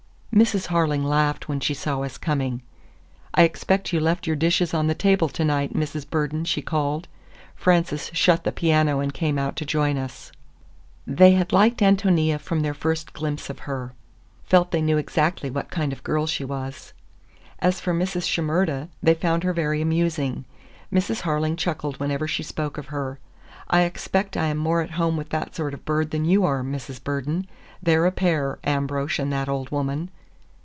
Mrs. Harling laughed when she saw us coming. "I expect you left your dishes on the table to night, Mrs. Burden," she called. Frances shut the piano and came out to join us. They had liked Ántonia from their first glimpse of her; felt they knew exactly what kind of girl she was. As for Mrs. Shimerda, they found her very amusing. Mrs. Harling chuckled whenever she spoke of her. "I expect I am more at home with that sort of bird than you are, Mrs. Burden. They're a pair, Ambrosch and that old woman!"